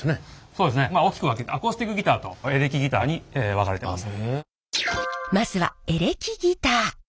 そうですね大きく分けてアコースティックギターとエレキギターに分かれてます。